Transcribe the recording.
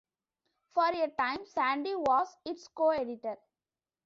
For a time Sandie was its co-editor.